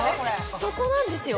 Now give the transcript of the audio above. そこなんですよ。